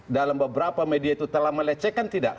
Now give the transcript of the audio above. dalam beberapa media itu telah melecehkan tidak